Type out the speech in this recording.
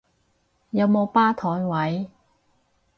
有冇吧枱位？